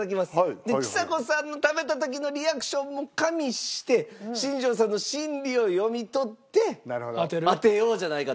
でちさ子さんの食べた時のリアクションも加味して新庄さんの心理を読み取って当てようじゃないかと。